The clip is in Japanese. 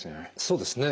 そうですね。